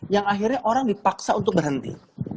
yang akhirnya orang dipaksa untuk berhenti